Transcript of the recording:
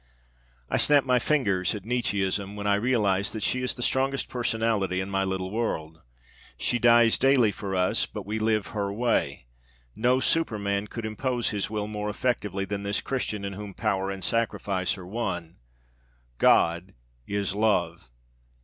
I snap my fingers at Nietzscheism when I realize that she is the strongest personality in my little world. She dies daily for us, but we live her way! No superman could impose his will more effectively than this Christian in whom power and sacrifice are one. God is love.